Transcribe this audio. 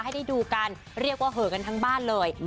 ให้ได้ดูกันเรียกว่าเหอะกันทั้งบ้านเลย